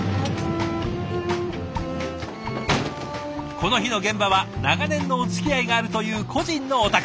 この日の現場は長年のおつきあいがあるという個人のお宅。